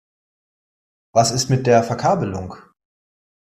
Was ist mit der Verkabelung?